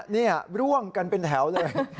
นี่ร่วงกันเป็นแถวเลย